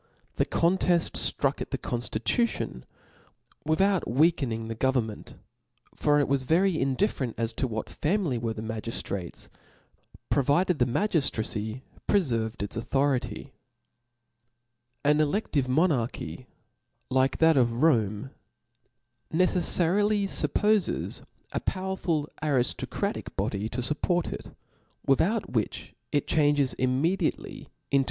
The conteft ftruck at the conftitution with out weakening the government ; for it was very indifferentof what family were the magiftrates, pro vided the magiftracy prcferved its authority. An elcftive monarchy like that of Rome, necef foriJy fuppofeth a powerful ariftocratic body to R 3 fupport 1 S46 T H E S P I R I T Bod 5 ftjpport it; without which it changes immediately Chap!